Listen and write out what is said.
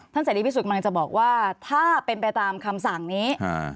เสรีพิสุทธิ์กำลังจะบอกว่าถ้าเป็นไปตามคำสั่งนี้